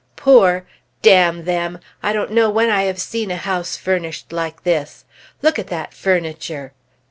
"Poor? Damn them! I don't know when I have seen a house furnished like this! Look at that furniture!